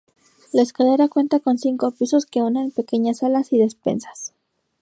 La escalera cuenta con cinco pisos que unen pequeñas salas y despensas.